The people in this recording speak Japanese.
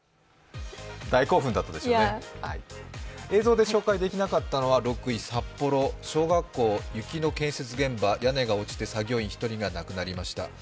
映像で紹介できなかったのは６位、札幌、小学校雪の建設現場、屋根が落ちて作業員１人が亡くなりました。